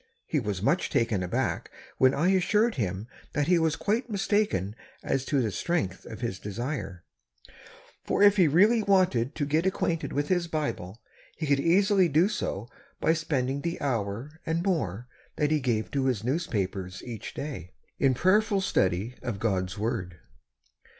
He was much taken back when I assured him that he was quite mistaken ■ as to the strength of his desire, for if he really wanted to get acquainted with his Bible, he could easily do so by spending the hour and more that he gave to the newspapers each day, in prayerful study of God's word.